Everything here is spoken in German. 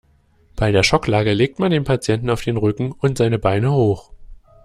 Bei der Schocklage legt man den Patienten auf den Rücken und seine Beine hoch.